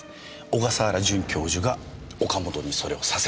小笠原准教授が岡本にそれをさせた！